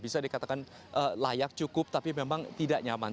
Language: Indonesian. bisa dikatakan layak cukup tapi memang tidak nyaman